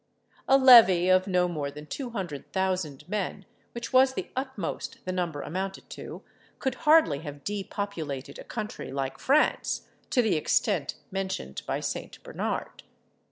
A levy of no more than two hundred thousand men, which was the utmost the number amounted to, could hardly have depopulated a country like France, to the extent mentioned by St. Bernard.